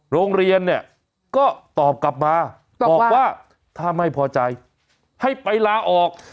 โรงเรียนเนี่ยก็ตอบกลับมาบอกว่าถ้าไม่พอใจให้ไปลาออก